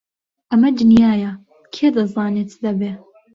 ئەمە دنیایە، کێ دەزانێ چ دەبێ!